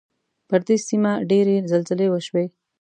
پر دې سیمې ډېرې زلزلې وشوې.